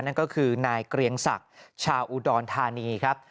นั่นก็คือนายเกรียงศักดิ์ชาวอุดรธานีครับ